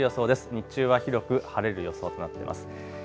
日中は広く晴れる予想となっています。